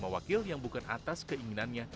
lima wakil yang bukan atas keinginannya